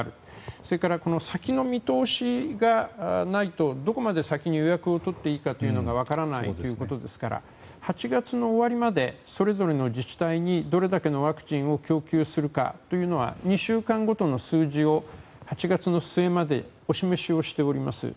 それから先の見通しがないとどこまで先の予約を取っていいかが分からないということですから８月の終わりまでそれぞれの自治体にどれだけのワクチンを供給するかというのは２週間ごとの数字を８月の末までお示しをしております。